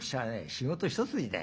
仕事一筋だ。